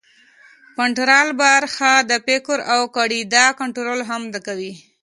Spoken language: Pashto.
فرنټل برخه د فکر او ګړیدا کنترول هم کوي